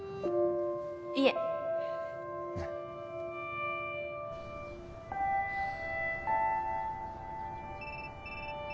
いえはぁ。